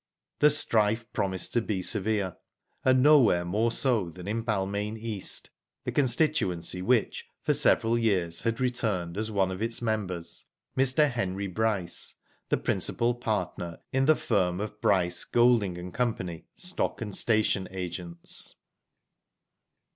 The strife promised to be severe, and nowhere more so than in Balmain East, the constituency which for several years had returned as one of its members, Mr. Henry Bryce, the principal partner in the firm of Bryce, Golding, and Co., Stock and Station Agents.